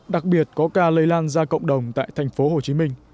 đặc biệt có ca lây lan ra cộng đồng tại thành phố hồ chí minh